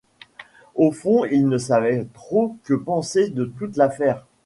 Au fond, il ne savait trop que penser de toute l’affaire.